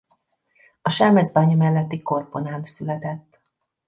A Selmecbánya melletti Korponán született.